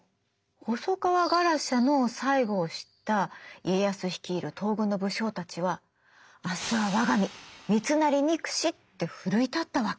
細川ガラシャの最期を知った家康率いる東軍の武将たちは「明日は我が身三成憎し」って奮い立ったわけ。